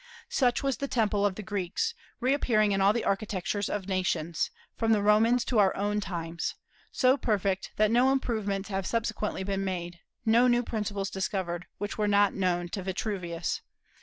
Such was the temple of the Greeks, reappearing in all the architectures of nations, from the Romans to our own times, so perfect that no improvements have subsequently been made, no new principles discovered which were not known to Vitruvius.